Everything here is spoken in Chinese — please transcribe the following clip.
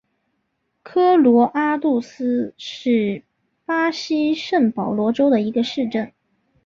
科罗阿杜斯是巴西圣保罗州的一个市镇。